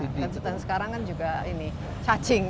sekarang kan juga ini cacing